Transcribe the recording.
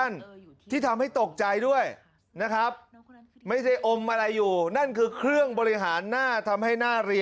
นี่ตรงนี้